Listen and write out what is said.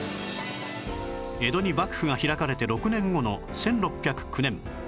江戸に幕府が開かれて６年後の１６０９年